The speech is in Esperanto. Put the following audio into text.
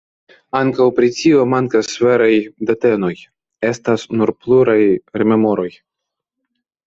Ankaŭ pri tio mankas veraj datenoj, estas nur pluraj rememoroj.